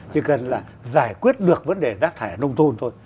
chỉ cần là giải quyết được vấn đề rác thải nông thôn thôi